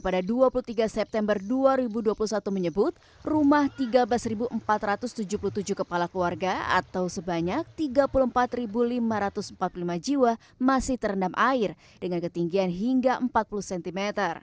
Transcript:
pada dua puluh tiga september dua ribu dua puluh satu menyebut rumah tiga belas empat ratus tujuh puluh tujuh kepala keluarga atau sebanyak tiga puluh empat lima ratus empat puluh lima jiwa masih terendam air dengan ketinggian hingga empat puluh cm